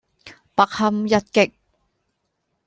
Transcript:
不堪一擊